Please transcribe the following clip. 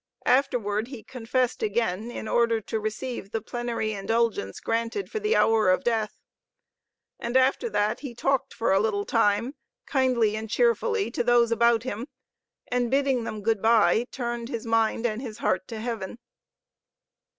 Afterward he confessed again, in order to receive the plenary indulgence granted for the hour of death. And after that he talked for a little time, kindly and cheerfully, to those about him, and bidding them good by, turned his mind and his heart to heaven.